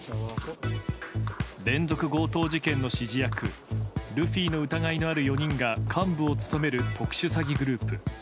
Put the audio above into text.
連続強盗事件の指示役ルフィとの疑いのある４人が幹部を務める特殊詐欺グループ。